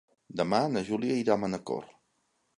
Demà na Júlia irà a Manacor.